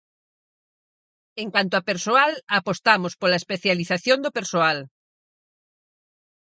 En canto a persoal, apostamos pola especialización do persoal.